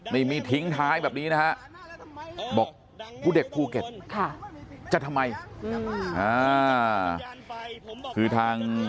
นี่มีทิ้งท้ายแบบนี้นะฮะบอกผู้เด็กภูเก็ตจะทำไมคือทาง